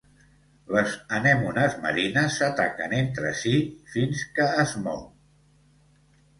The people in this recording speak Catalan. Les anemones marines s'ataquen entre si fins que es mou.